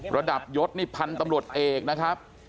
ระดับยศนี่พันธุ์ตำรวจเอกนะครับ